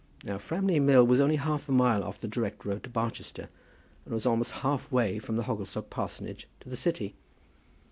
Now Framley Mill was only half a mile off the direct road to Barchester, and was almost half way from Hogglestock parsonage to the city.